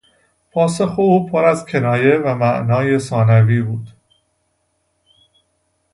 پاسخ او پر از کنایه و معانی ثانوی بود.